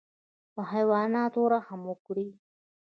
په حیواناتو رحم وکړئ